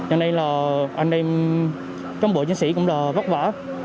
anh em trong bộ chiến sĩ cũng rất là vất vả